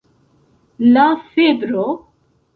La febro?